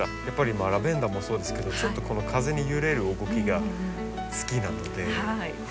やっぱりラベンダーもそうですけどこの風に揺れる動きが好きなので。